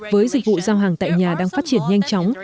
với dịch vụ giao hàng tại nhà đang phát triển nhanh chóng